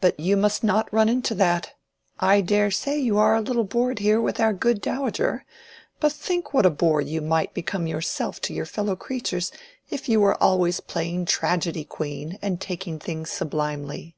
But you must not run into that. I dare say you are a little bored here with our good dowager; but think what a bore you might become yourself to your fellow creatures if you were always playing tragedy queen and taking things sublimely.